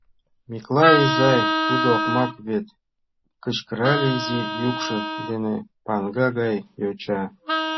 — Миклай изай, тудо окмак вет! — кычкырале изи йӱкшӧ дене паҥга гай йоча.